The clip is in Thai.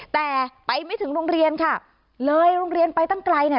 แต่ไปไม่ถึงโรงเรียนค่ะเลยโรงเรียนไปตั้งไกลเนี่ย